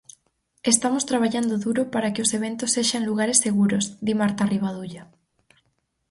Estamos traballando duro para que os eventos sexan lugares seguros, di Marta Rivadulla.